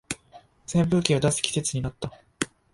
扇風機を出す季節になった